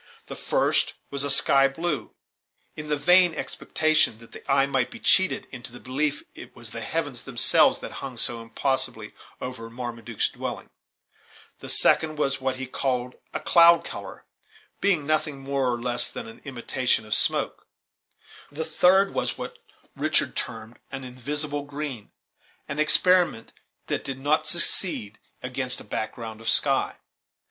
The first was a sky blue, in the vain expectation that the eye might be cheated into the belief it was the heavens themselves that hung so imposingly over Marmaduke's dwelling; the second was what he called a "cloud color," being nothing more nor less than an imitation of smoke; the third was what Richard termed an invisible green, an experiment that did not succeed against a background of sky.